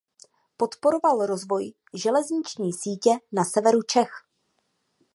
Podporoval rozvoj železniční sítě na severu Čech.